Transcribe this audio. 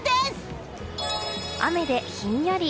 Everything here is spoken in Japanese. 雨でひんやり。